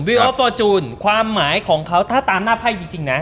ออฟฟอร์จูนความหมายของเขาถ้าตามหน้าไพ่จริงนะ